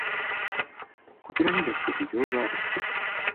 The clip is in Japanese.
こちらにだって事情がある